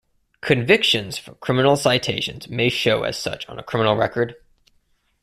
Convictions for criminal citations may show as such on a criminal record.